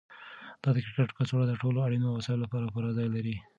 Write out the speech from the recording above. دا د کرکټ کڅوړه د ټولو اړینو وسایلو لپاره پوره ځای لري.